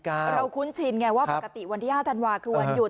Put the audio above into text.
คุ้นชินไงว่าปกติวันที่๕ธันวาคคือวันหยุด